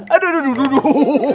aduh aduh aduh